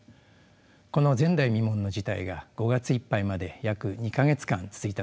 この前代未聞の事態が５月いっぱいまで約２か月間続いたのではないでしょうか。